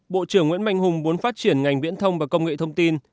bộ trưởng nguyễn mạnh hùng muốn phát triển ngành viễn thông và công nghệ thông tin